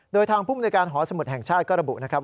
โดยทางภูมิในการหอสมุทรแห่งชาติก็ระบุนะครับ